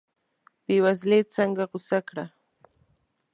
بې وزلي یې څنګه غوڅه کړه.